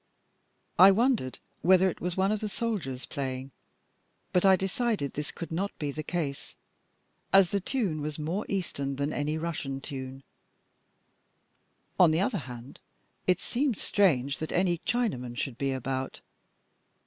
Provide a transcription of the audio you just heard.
I wondered whether it was one of the soldiers playing, but I decided this could not be the case, as the tune was more eastern than any Russian tune. On the other hand, it seemed strange that any Chinaman should be about.